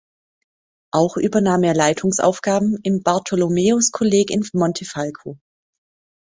Auch übernahm er Leitungsaufgaben im Bartholomäus-Kolleg in Montefalco.